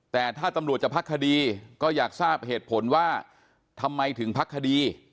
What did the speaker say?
แต่ถ้าตำรวจจะพักคดีก็อยากทราบเหตุผลว่าทำไมถึงพักคดี